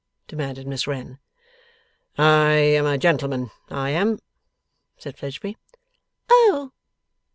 demanded Miss Wren. 'I am a gentleman, I am,' said Fledgeby. 'Oh!